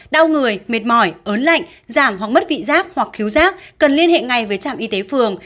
đau người mệt mỏi ớn lạnh giảm hoặc mất vị giác hoặc thiếu rác cần liên hệ ngay với trạm y tế phường